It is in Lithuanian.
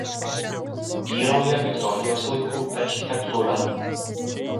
Vyrauja Viktorijos laikų architektūra.